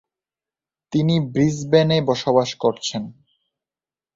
তিনি ব্রিসবেনে বসবাস করছেন।